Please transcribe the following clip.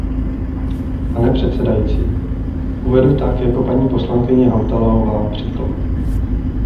Pane předsedající, uvedu tak jako paní poslankyně Hautalaová příklad.